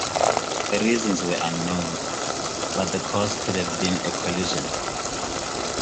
The reasons were unknown, but the cause could have been a collision.